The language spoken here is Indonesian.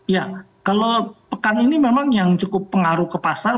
ya kalau pekan ini memang yang cukup pengaruh ke pasar